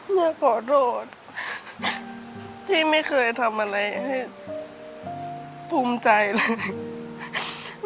อยากขอโทษที่ไม่เคยทำอะไรให้ภูมิใจเลย